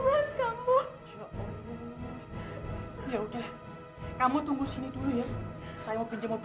belut belut ngumpul uang